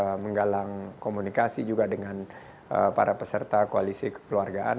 dan kami terus menggalang komunikasi juga dengan para peserta koalisi kekeluargaan